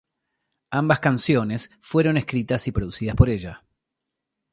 Ambas canciones fueron escritas y producidas por ella.